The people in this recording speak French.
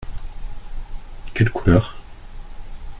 Quelle couleur ?